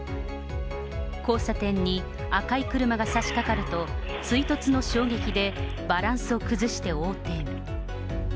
交差点に赤い車がさしかかると、追突の衝撃でバランスを崩して横転。